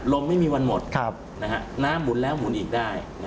ไม่มีวันหมดน้ำหมุนแล้วหมุนอีกได้